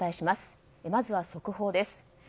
まずは速報です。